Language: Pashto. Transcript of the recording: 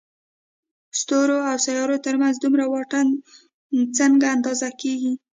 ستورو او سيارو تر منځ دومره واټن څنګه اندازه کېږي؟